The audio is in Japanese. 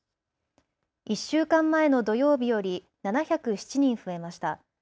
１週間前の土曜日より７０７人増えました。